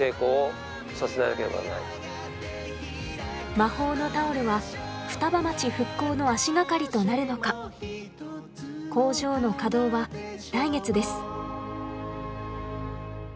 魔法のタオルは、双葉町復興の足掛かりとなるのか工場の稼働は来月です。